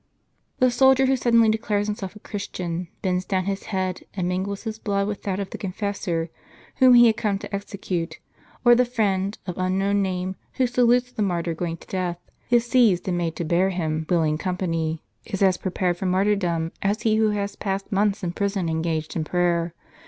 The soldier who sud denly declares himself a Christian, bends down his head, and mingles his blood with that of the confessor, whom he had come to execute ; or the friend, of unknown name, who salutes the martyr going to death, is seized, and made to bear him If willing company,* is as prepared for martyrdom, as he who has passed months in prison engaged in prayer.